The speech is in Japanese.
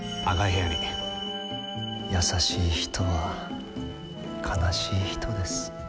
優しい人は悲しい人です。